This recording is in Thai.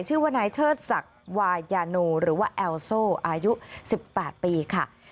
ชื่อว่านายเชิดศักดิ์วายาโนหรือว่าแอลโซ่อายุ๑๘ปีค่ะ